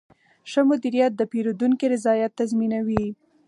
ښه مدیریت د پیرودونکي رضایت تضمینوي.